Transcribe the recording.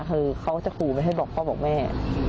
คือเขาจะขู่ไม่ให้บอกพ่อบอกแม่